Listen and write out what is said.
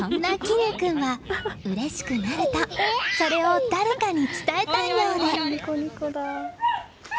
生君はうれしくなるとそれを誰かに伝えたいようで。